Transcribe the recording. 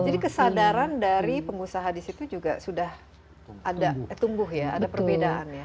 jadi kesadaran dari pengusaha di situ juga sudah ada tumbuh ya ada perbedaan ya